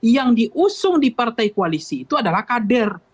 yang diusung di partai koalisi itu adalah kader